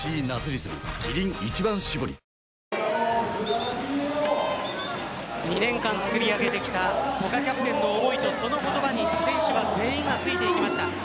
キリン「一番搾り」２年間作り上げてきた古賀キャプテンの思いとその言葉に選手全員がついていきました。